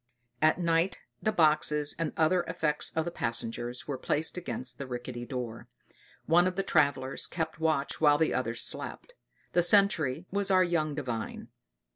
At night the boxes and other effects of the passengers were placed against the rickety doors. One of the travellers kept watch while the others slept. The sentry was our young Divine.